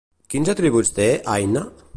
Quins atributs té Áine?